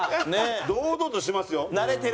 堂々としますよ。